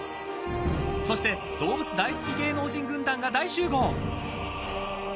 そして、動物大好き芸能人軍団が大集合。